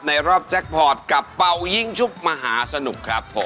รอบแจ็คพอร์ตกับเป่ายิ่งชุบมหาสนุกครับผม